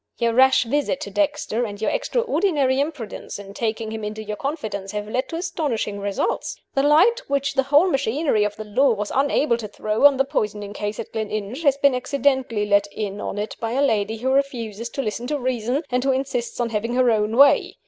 Your rash visit to Dexter, and your extraordinary imprudence in taking him into your confidence have led to astonishing results. The light which the whole machinery of the Law was unable to throw on the poisoning case at Gleninch has been accidentally let in on it by a Lady who refuses to listen to reason and who insists on having her own way.